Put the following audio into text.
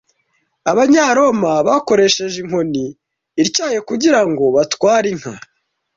Abanyaroma bakoresheje inkoni ityaye kugirango batware inka